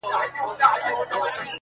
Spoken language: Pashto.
په عاشقي کي بې صبرې مزه کوینه-